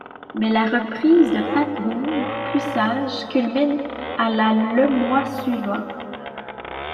Mais la reprise de Pat Boone, plus sage, culmine à la le mois suivant.